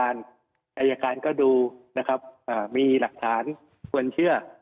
อายการก็ดูนะครับมีหลักฐานควรเชื่อ